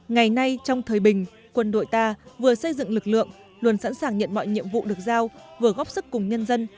ngày nay trong thời bình quân đội ta vừa xây dựng lực lượng luôn sẵn sàng nhận mọi nhiệm vụ được giao vừa góp sức cùng nhân dân